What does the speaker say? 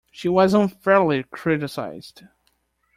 She was unfairly criticised